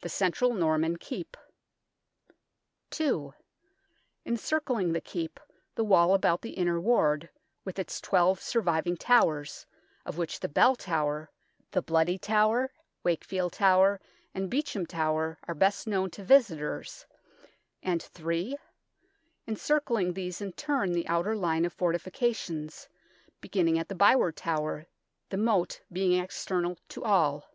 The central Norman Keep. 2. Encircling the Keep, the wall about the Inner Ward, with its twelve surviving towers, of which the Bell Tower, the Bloody Tower, Wakefield Tower, and Beauchamp Tower are best known to visitors ; and 3. Encircling these hi turn the outer line of fortifications, beginning at the Byward Tower, the moat being external to all.